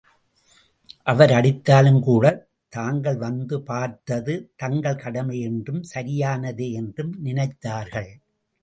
அவர் அடித்தாலும் கூடத் தாங்கள் வந்து பார்த்தது தங்கள் கடமை என்றும் சரியானதே யென்றும் நினைத்தார்கள்.